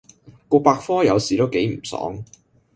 個百科有時都幾唔爽